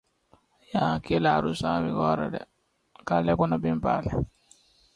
It is located three blocks from Lake Ponchartrain.